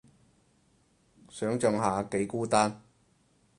想像下幾孤單